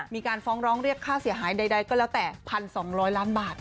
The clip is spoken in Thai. มีการฟ้องร้องเรียกค่าเสียหายใดก็แล้วแต่๑๒๐๐ล้านบาท